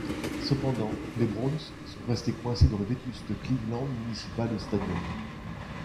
Cependant, les Browns sont restés coincés dans le vétuste Cleveland Municipal Stadium.